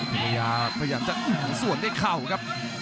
พระยาพยันตร์จะอึ้งสวนได้เข้าครับ